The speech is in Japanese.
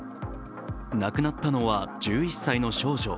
亡くなったのは１１歳の少女。